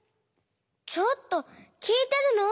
ちょっときいてるの？